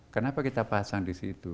kenapa kita pasang di situ